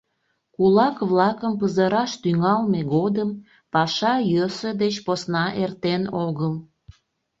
Кулак-влакым пызыраш тӱҥалме годым паша йӧсӧ деч посна эртен огыл.